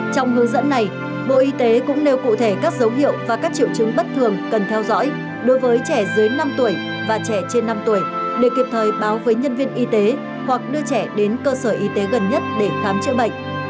trong hướng dẫn này bộ y tế cũng nêu cụ thể các dấu hiệu và các triệu chứng bất thường cần theo dõi đối với trẻ dưới năm tuổi và trẻ trên năm tuổi để kịp thời báo với nhân viên y tế hoặc đưa trẻ đến cơ sở y tế gần nhất để khám chữa bệnh